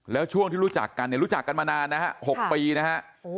แล้วช่วงที่รู้จักกันเนี่ยรู้จักกันมานานนะฮะ๖ปีนะฮะ